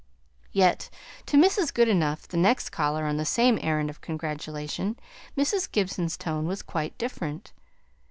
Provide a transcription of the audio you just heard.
Yet to Mrs. Goodenough, the next caller on the same errand of congratulation, Mrs. Gibson's tone was quite different.